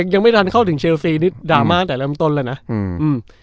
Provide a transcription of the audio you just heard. ยังไม่ทันเข้าถึงเชอร์ฟรีนิดดราม่าแต่เริ่มต้นแล้วนะอืม